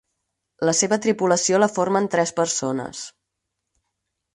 La seva tripulació la formen tres persones.